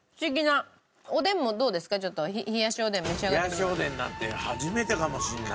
冷やしおでんなんて初めてかもしれない。